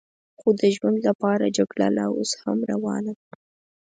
خو د ژوند لپاره جګړه لا اوس هم روانه ده.